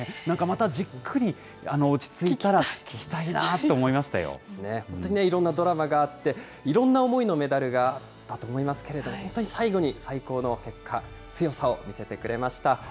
なんかまたじっくり落ち着いたら、本当にいろんなドラマがあって、いろんな思いのメダルがあったと思いますけれど、本当に最後に最高の結果、強さを見せてくれました。